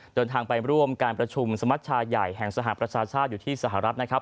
เดินทางไปร่วมการประชุมสมัชชาใหญ่แห่งสหประชาชาติอยู่ที่สหรัฐนะครับ